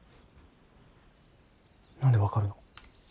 何で分かるの？